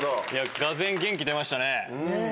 がぜん元気出ましたね。